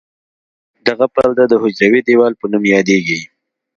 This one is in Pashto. دغه پرده د حجروي دیوال په نوم یادیږي.